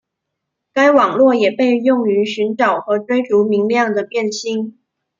该网络也被用于寻找和追逐明亮的变星。